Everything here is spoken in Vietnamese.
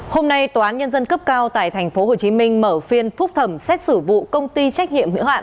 hôm nay tòa án nhân dân cấp cao tại tp hcm mở phiên phúc thẩm xét xử vụ công ty trách nhiệm hiệu hạn